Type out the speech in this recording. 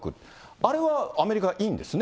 あれは、アメリカいいんですね。